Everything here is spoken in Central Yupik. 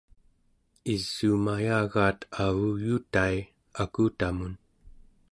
isuumayagaat avuyutai akutamun